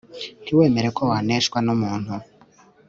ntiwemere ko waneshwa numuntu